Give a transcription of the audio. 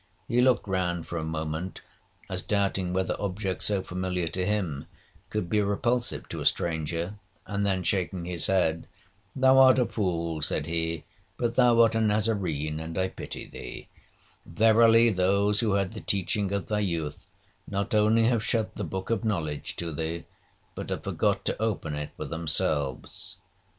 He looked round for a moment, as doubting whether objects so familiar to him, could be repulsive to a stranger, and then shaking his head, 'Thou art a fool,' said he, 'but thou art a Nazarene, and I pity thee; verily, those who had the teaching of thy youth, not only have shut the book of knowledge to thee, but have forgot to open it for themselves.